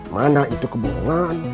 mana itu kebohongan